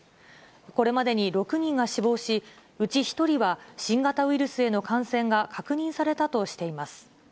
これまでに６人が死亡し、うち１人は新型ウイルスへの感染が確認されたとしています。